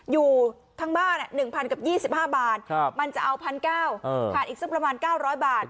อยู่ทั้งบ้าน๑๐๐กับ๒๕บาทมันจะเอา๑๙๐๐บาทขาดอีกสักประมาณ๙๐๐บาท